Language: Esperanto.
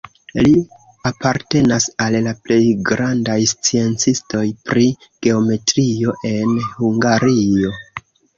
Li apartenas al la plej grandaj sciencistoj pri geometrio en Hungario.